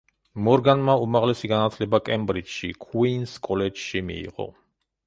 მორგანმა უმაღლესი განათლება კემბრიჯში, ქუინს კოლეჯში მიიღო.